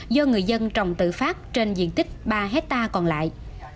do người dân trồng tự phát trên diện tích ba hectare còn lại